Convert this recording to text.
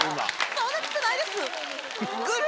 そんなことないです。